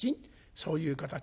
そういう形？